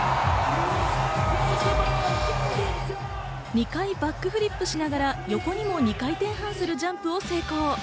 ２回バックフリップしながら、横にも２回転半するジャンプを成功。